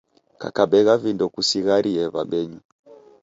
Kakabegha vindo kusigharie wambenyu